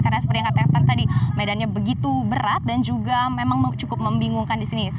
karena seperti yang katakan tadi medannya begitu berat dan juga memang cukup membingungkan di sini